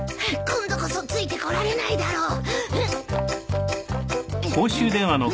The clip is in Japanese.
今度こそついてこられないだろう。